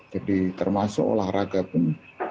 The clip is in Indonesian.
jadi termasuk olahraga pun